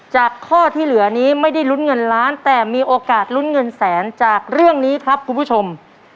จากข้อที่เหลือนี้ไม่ได้ลุ้นเงินล้านแต่มีโอกาสลุ้นเงินแสนจากเรื่องนี้ครับคุณผู้ชม